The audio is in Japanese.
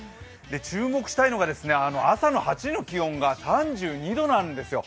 注目したいのが朝の８時の気温が３２度なんですよ。